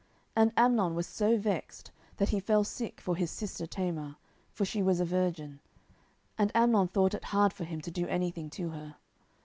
10:013:002 And Amnon was so vexed, that he fell sick for his sister Tamar; for she was a virgin; and Amnon thought it hard for him to do anything to her.